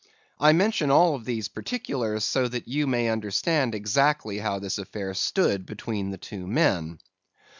I mention all these particulars so that you may understand exactly how this affair stood between the two men.